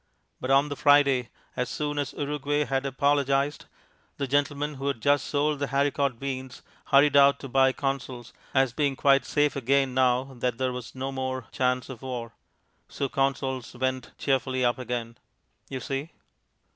But on the Friday, as soon as Uruguay had apologized, the gentlemen who had just sold the Haricot Beans hurried out to buy Consols, as being quite safe again now that there was no more chance of war. So Consols went cheerfully up again. You see?